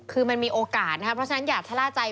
คือมันมีโอกาสนะครับเพราะฉะนั้นอย่าชะล่าใจ